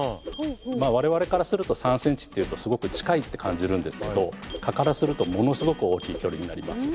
まあ我々からすると３ｃｍっていうとすごく近いって感じるんですけど蚊からするとものすごく大きい距離になります。